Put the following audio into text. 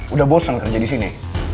udah boseng kerja disini